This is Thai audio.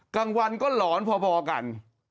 กลางวันก็หลอนพอกัน